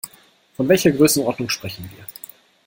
Von welcher Größenordnung sprechen wir?